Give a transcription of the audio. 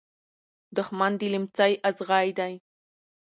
دښمن د لمڅی ازغي دی .